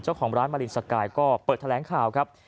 เจ้าของร้านมารินสกายก็เปิดแถลงข่าวครับ